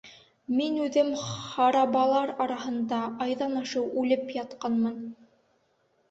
Мин үҙем харабалар араһында айҙан ашыу үлеп ятҡанмын.